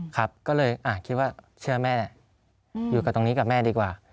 ครับก็เลยอ่ะคิดว่าเชื่อแม่เนี่ยอยู่ตรงนี้กับแม่ดีกว่า